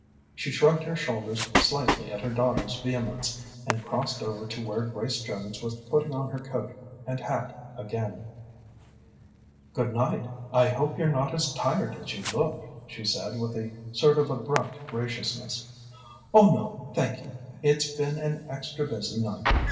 She shrugged her shoulders slightly at her daughter's vehemence, and crossed over to where Grace Jones was putting on her coat and hat again. "Good night. I hope you're not as tired as you look," she said with a sort of abrupt graciousness. "Oh no, thank you. It's been an extra busy night.